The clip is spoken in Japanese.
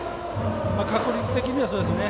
確率的にはそうですね。